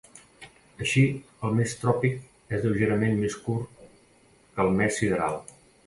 Així el mes tròpic és lleugerament més curt que el mes sideral.